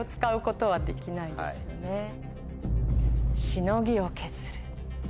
「しのぎ」を削る。